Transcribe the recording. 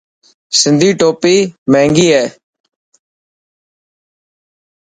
سنڌي ٽوپي مهنگي هي.